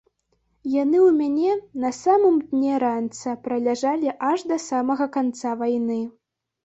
Яны ў мяне, на самым дне ранца, праляжалі аж да самага канца вайны.